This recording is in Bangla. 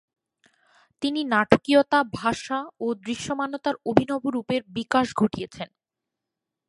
তিনি নাটকীয়তা, ভাষা ও দৃশ্যমানতার অভিনব রূপের বিকাশ ঘটিয়েছেন।